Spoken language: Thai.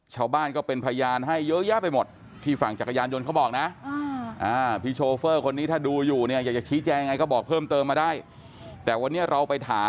ชาวบ้านก็เป็นพยานให้เยอะแยะไปหมดที่ฝั่งจักรยานยนต์เขาบอกนะ